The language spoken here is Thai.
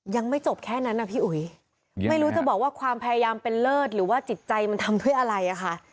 ยังไม่จบแค่นั้นนะพี่อุ๋ยไม่รู้จะบอกว่าความพยายามเป็นเลิศหรือว่าจิตใจมันทำเพื่ออะไรอะค่ะ